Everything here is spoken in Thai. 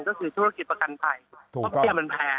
ก็คือธุรกิจประกันภัยก็เกี่ยวมันแพง